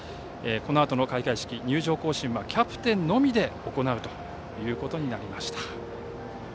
このあとの開会式、入場行進はキャプテンのみで行うということになりました。